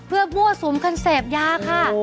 เพื่อบั่วสุมกันเสพยาค่ะโอ้โห